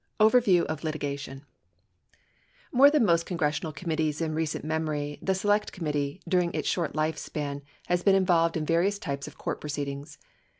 OVERVIEW OF LITIGATION More than most congressional committees in recent memory, the Select Committee, during its short life span, has been involved in various types of court proceedings.